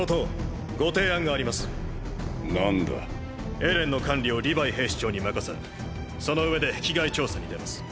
エレンの管理をリヴァイ兵士長に任せその上で壁外調査に出ます。